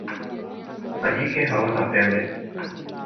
Majike hawana pembe.